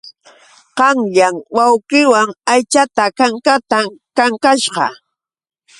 Qanyan wawqiiwan aycha kankatam kankasqa.